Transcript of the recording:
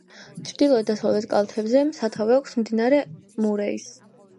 ჩრდილოეთ-დასავლეთ კალთებზე სათავე აქვს მდინარე მურეის.